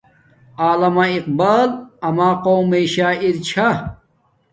علامہ اقبال اما قومی شاعر چھا